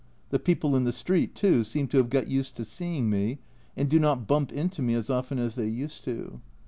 The people in the street, too, seem to have got used to seeing me, and do not bump into me as often as they used to